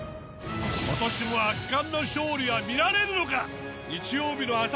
今年も圧巻の勝利は見られるのか！